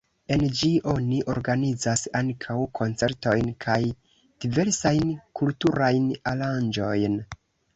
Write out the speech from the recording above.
En ĝi oni organizas ankaŭ koncertojn kaj diversajn kulturajn aranĝojn.